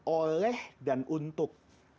oleh dan untuk